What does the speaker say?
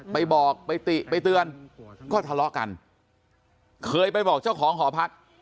ไปบอกไปติไปเตือนก็ทะเลาะกันเคยไปบอกเจ้าของหอพัก